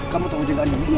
kamu tau jalan ini gimana